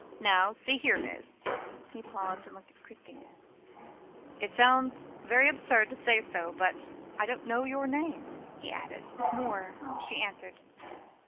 Now, see here, Miss " he paused and looked at Christina. "It sounds very absurd to say so, but I don't know your name," he added. "Moore," she answered.